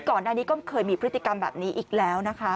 ก่อนหน้านี้ก็เคยมีพฤติกรรมแบบนี้อีกแล้วนะคะ